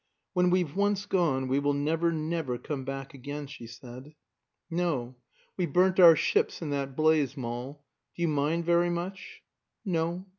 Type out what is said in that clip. "When we've once gone we will never, never come back again," she said. "No. We burnt our ships in that blaze, Moll. Do you mind very much?" "No.